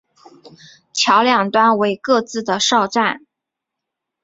桥两端为各自的哨站。